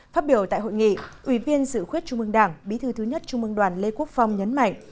phát biểu tại hội nghị ủy viên dự khuyết trung ương đảng bí thư thứ nhất trung ương đoàn lê quốc phong nhấn mạnh